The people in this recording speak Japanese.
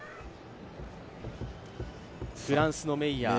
フランスのメイヤー。